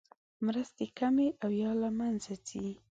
مرستې کمې او یا له مینځه ځي.